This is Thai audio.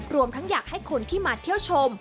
รวมทั้งอยากให้คนที่มาเที่ยวชม